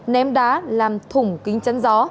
ném đá làm thủng kính chắn gió